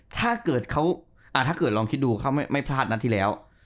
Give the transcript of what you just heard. ถ้าเกิดลองคิดดูเขาไม่พลาดนัดที่แล้ว